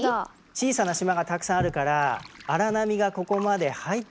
小さな島がたくさんあるから荒波がここまで入ってこないんですね。